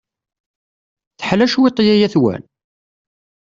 Teḥla cwiṭ yaya-twen?